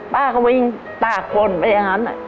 ป้าก็วิ่งตากคนไปอย่างนั้น